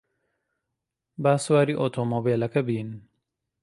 با سواری ئۆتۆمۆبیلەکە بین.